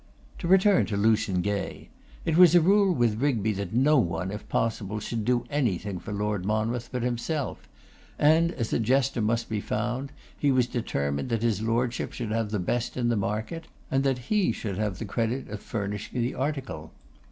To return to Lucian Gay. It was a rule with Rigby that no one, if possible, should do anything for Lord Monmouth but himself; and as a jester must be found, he was determined that his Lordship should have the best in the market, and that he should have the credit of furnishing the article.